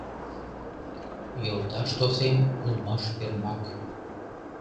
Йолташ-тосем улмаш пермак: